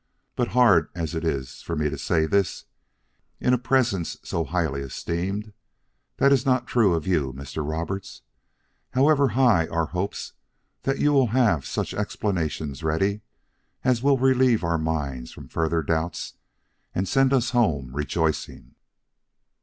But hard as it is for me to say this, in a presence so highly esteemed, this is not true of you, Mr. Roberts, however high are our hopes that you will have such explanations ready as will relieve our minds from further doubts, and send us home rejoicing.